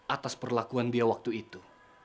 atas perlakuan dia waktu itu